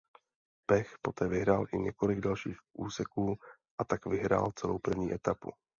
Pech poté vyhrál i několik dalších úseků a tak vyhrál celou první etapu.